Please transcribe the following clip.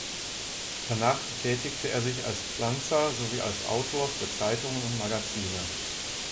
Danach betätigte er sich als Pflanzer sowie als Autor für Zeitungen und Magazine.